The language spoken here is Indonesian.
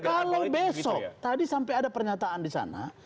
kalau besok tadi sampai ada pernyataan di sana